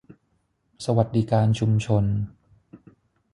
สวัสดิการชุมชน